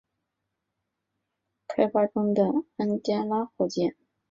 使用该引擎的主要运载火箭是目前正在开发中的安加拉火箭。